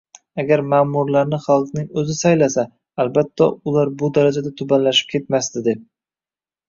Agar ma`murlarni xalqning o'zi saylasa albatta, ular bu darajada tubanlashib ketmasdi deb